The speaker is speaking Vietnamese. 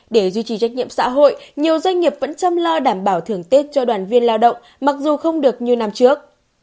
để duy trì trách nhiệm xã hội nhiều doanh nghiệp vẫn chăm lo đảm bảo thưởng tết cho đoàn viên lao động mặc dù không được như năm trước